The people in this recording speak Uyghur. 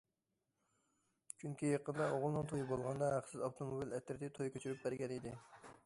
چۈنكى يېقىندا ئوغلىنىڭ تويى بولغاندا ھەقسىز ئاپتوموبىل ئەترىتى توي كۆچۈرۈپ بەرگەن ئىدى.